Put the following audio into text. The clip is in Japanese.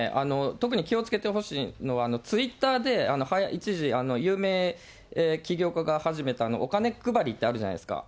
特に気をつけてほしいのは、ツイッターで一時、有名起業家が始めた、お金配りってあるじゃないですか。